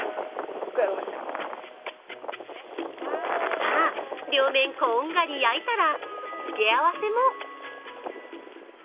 さぁ両面こんがり焼いたら付け合わせも。